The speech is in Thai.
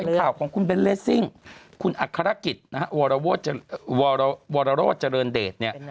เป็นข่าวของคุณเบนเลสซิ่งคุณอักษรกิจโวราโรเจริญเดชน์